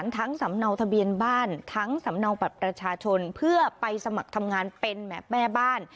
ทั้งสำเนาปรัชชนเพื่อไปสมัครทำงานเป็นแม่บ้าน